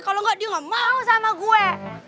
kalau enggak dia gak mau sama gue